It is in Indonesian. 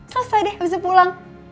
selesai deh abis itu pulang